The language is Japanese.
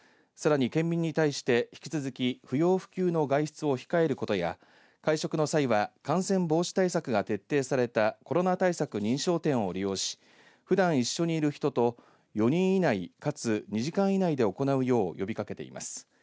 さらに県民に対して、引き続き不要不急の外出を控えることや会食の際は感染防止対策が徹底されたコロナ対策認証店を利用しふだん一緒にいる人と、４人以内かつ、２時間以内で行うよう呼びかけています。